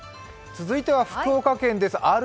続いては福岡県です。